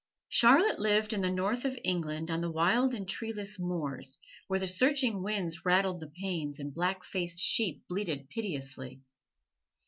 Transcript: Charlotte lived in the North of England on the wild and treeless moors, where the searching winds rattled the panes and black faced sheep bleated piteously.